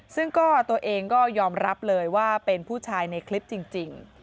ซึ่งก็ตัวเองก็ยอมรับเลยว่าเป็นผู้ชายในคลิปจริง